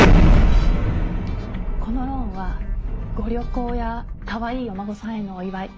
このローンはご旅行やかわいいお孫さんへのお祝い